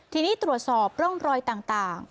ทีนี้ตรวจสอบร่องรอยต่าง